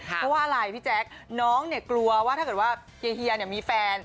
เพราะว่าอะไรพี่แจ๊คน้องเนี่ยกลัวว่าถ้าเกิดว่าเฮียเฮียมีแฟน